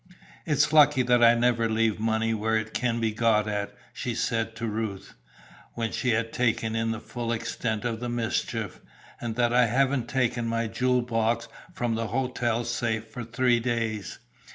"It's lucky that I never leave money where it can be got at," she said to Ruth, when she had taken in the full extent of the mischief, "and that I haven't taken my jewel box from the hotel safe for three days.